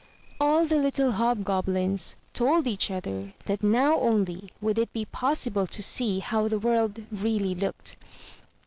All the little Hobgoblins told each other that now only would it be possible to see how the world really looked.